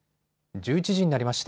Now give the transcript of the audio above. １１時になりました。